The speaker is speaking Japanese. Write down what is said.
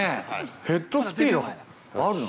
ヘットスピードあるな。